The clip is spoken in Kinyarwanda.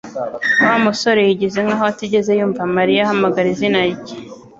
Wa musore yigize nkaho atigeze yumva Mariya ahamagara izina rye